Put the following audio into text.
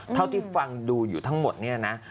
เท่าที่ฟังดูอยู่ทั้งหมดเนี่ยนะ